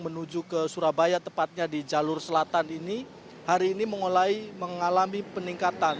menuju ke surabaya tepatnya di jalur selatan ini hari ini mulai mengalami peningkatan